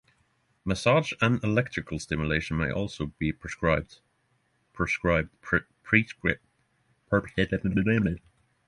Massage and electrical stimulation may also be prescribed.